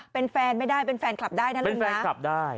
เป็นแฟนไม่ได้เป็นแฟนคลับได้นั่นลุงนะ